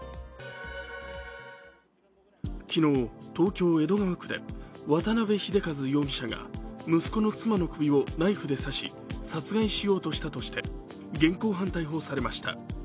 昨日、東京・江戸川区で渡辺秀一容疑者が息子の妻の首をナイフで刺し殺害しようとしたとして現行犯逮捕されました。